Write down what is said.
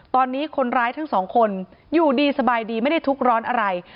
ตอนนี้คนร้ายทั้งสองคนอยู่ดีสบายดีไม่ได้ทุกข์ร้อนอะไร